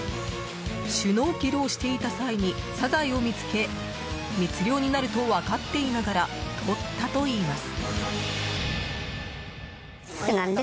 シュノーケルをしていた際にサザエを見つけ密漁になると分かっていながらとったといいます。